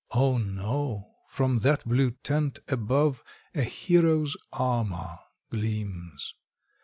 Oh, no! from that blue tent above, A hero's armour gleams.